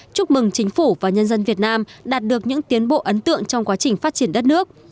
chúc mừng chính phủ và nhân dân việt nam đạt được những tiến bộ ấn tượng trong quá trình phát triển đất nước